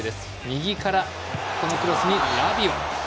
右からのクロスにラビオ。